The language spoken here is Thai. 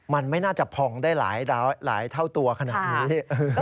มันไม่น่าจะพองได้หลายเท่าตัวขนาดนี้